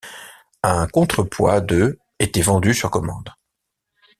Un contrepoids de était vendu sur commande.